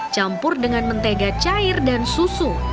campur dengan mentega cair dan susu